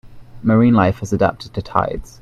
Marine life has adapted to tides.